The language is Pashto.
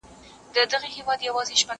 هم زړه سواندی هم د ښه عقل څښتن وو